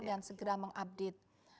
dan segera mengupdate